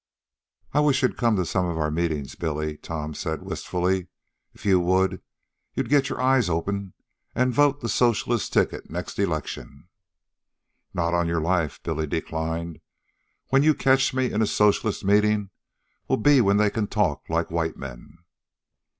"I wish you'd come to some of our meetings, Billy," Tom said wistfully. "If you would, you'd get your eyes open an' vote the socialist ticket next election." "Not on your life," Billy declined. "When you catch me in a socialist meeting'll be when they can talk like white men."